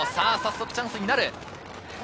チャンスになる。